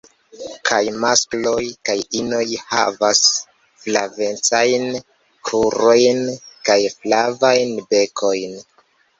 Kaj maskloj kaj inoj havas flavecajn krurojn kaj flavajn bekojn.